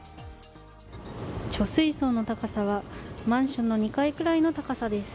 貯水槽の高さはマンションの２階ぐらいの高さです。